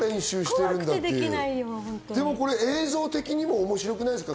映像的にも面白くないですか？